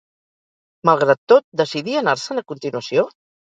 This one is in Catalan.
Malgrat tot, decidí anar-se'n a continuació?